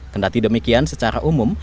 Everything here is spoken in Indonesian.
kendati demikian secara umum